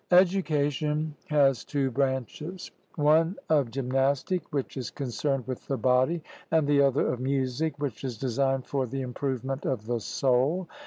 Education has two branches one of gymnastic, which is concerned with the body, and the other of music, which is designed for the improvement of the soul.